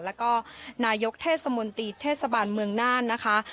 แล้วก็นายกเทศมนตรีเทศบาลเมืองน่านนะคะ